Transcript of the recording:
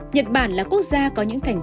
nhật bản là quốc gia có những thành tích